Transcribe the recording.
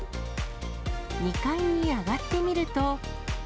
２階に上がってみると。